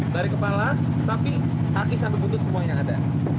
dari kepala sapi kaki sampai butut semuanya ada